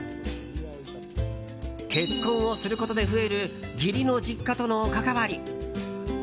結婚をすることで増える義理の実家との関わり。